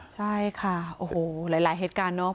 ใช่ค่ะโอ้โหหลายเหตุการณ์เนาะ